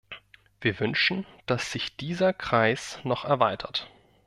Wir wünschen, dass sich dieser Kreis noch erweitert.